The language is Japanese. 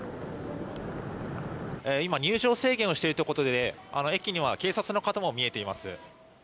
今、入場制限をしているということで、駅には警察の方も見えています。